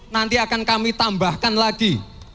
nanti akan kami tambahkan lagi